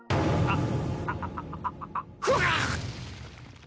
あっ。